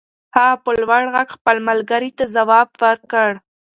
هغه په لوړ غږ خپل ملګري ته ځواب ور کړ.